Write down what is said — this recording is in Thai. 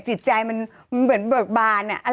จิตใจมันเหมือนเบิกบาน